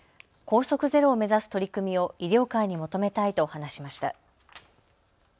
拘束ゼロを目指す取り組みを医療界に求めたいと話しました。